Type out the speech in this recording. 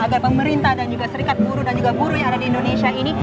agar pemerintah dan juga serikat buruh dan juga buruh yang ada di indonesia ini